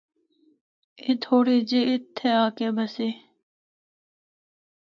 اے تھوڑے جے اِتھا آ کے بسے۔